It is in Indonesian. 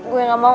gue gak maump